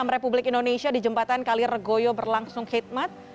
republik indonesia di jembatan kalirgoyo berlangsung khidmat